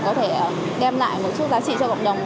có thể đem lại một chút giá trị cho cộng đồng